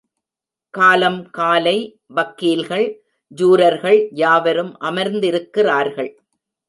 காலம் காலை வக்கீல்கள், ஜூரர்கள் யாவரும் அமர்ந்திருக்கிறார்கள்.